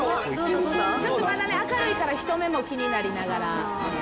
ちょっとまだね明るいから人目も気になりながら。